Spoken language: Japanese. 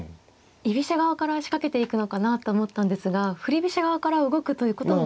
居飛車側から仕掛けていくのかなと思ったんですが振り飛車側から動くということも。